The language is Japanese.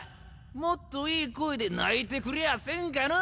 もっといい声で鳴いてくりゃせんかのぉ。